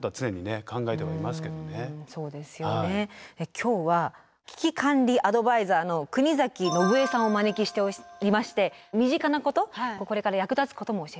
今日は危機管理アドバイザーの国崎信江さんをお招きしておりまして身近なことこれから役立つことも教えて下さいます。